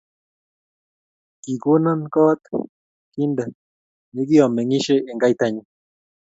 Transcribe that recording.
kikonon koot kinde yeki omeng'isiei eng kaitanyin